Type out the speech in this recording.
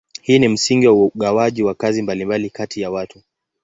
Hii ni msingi wa ugawaji wa kazi mbalimbali kati ya watu.